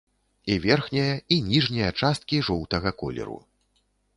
І верхняя, і ніжняя часткі жоўтага колеру.